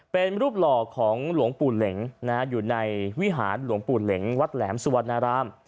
เป็นรูปหล่อของหลวงปู่เหล็งอยู่ในวิหารหลวงปู่เหล็งวัดแหลมสุวรรณราม